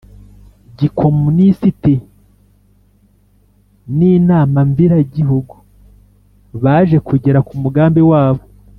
gikomunisiti n inambiragihugu Baje kugera ku mugambi wabo